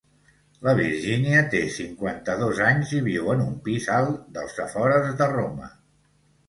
La Virgínia té cinquanta-dos anys i viu en un pis alt dels afores de Roma.